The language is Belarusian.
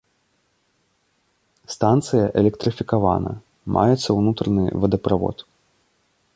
Станцыя электрыфікавана, маецца ўнутраны вадаправод.